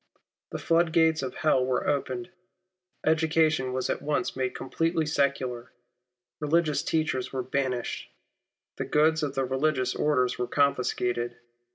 The flood gates of hell were opened. Education was at once made completely secular. Religious teachers were banished. The goods of the religious orders were confiscated.